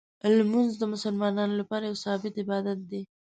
لمونځ د مسلمانانو لپاره یو ثابت عبادت دی.